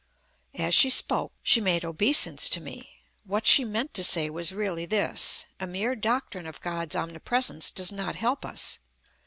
As she spoke, she made obeisance to me. What she meant to say was really this. A mere doctrine of God's omnipresence does not help us.